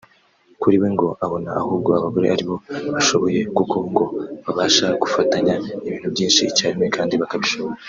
Kuri we ngo abona ahubwo abagore ari bo bashoboye kuko ngo babasha gufatanya ibintu byinshi icyarimwe kandi bakabishobora